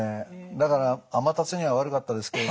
だからアマタツには悪かったですけどね